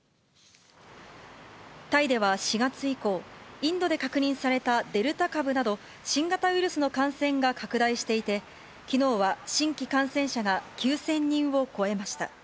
タイでは４月以降、インドで確認されたデルタ株など、新型ウイルスの感染が拡大していて、きのうは新規感染者が９０００人を超えました。